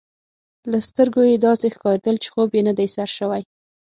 له سترګو يې داسي ښکارېدل، چي خوب یې نه دی سر شوی.